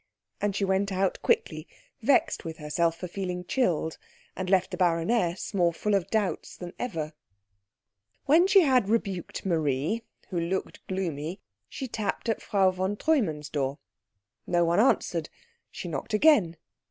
And she went out quickly, vexed with herself for feeling chilled, and left the baroness more full of doubts than ever. When she had rebuked Marie, who looked gloomy, she tapped at Frau von Treumann's door. No one answered. She knocked again.